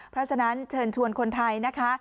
เพราะฉะนั้นเชิญชวนคนไทยนะคะ